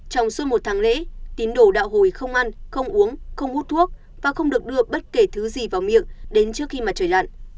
trong suốt một tháng lễ tín đồ đạo hồi không ăn không uống không hút thuốc và không được đưa bất kể thứ gì vào miệng đến trước khi mà trời lặn